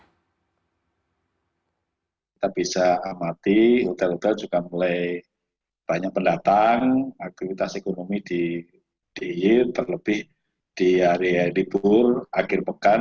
kita bisa amati hotel hotel juga mulai banyak pendatang aktivitas ekonomi di d i y terlebih di hari libur akhir pekan